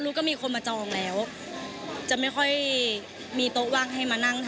เข้มข้นกว่า